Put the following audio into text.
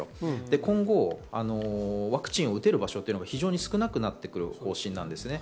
今後、ワクチンを打てる場所は少なくなってくる方針なんですね。